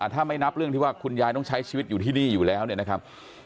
ถ้าไม่นับเรื่องที่ว่าคุณยายต้องใช้ชีวิตอยู่ที่นี่อยู่แล้วเนี่ยนะครับ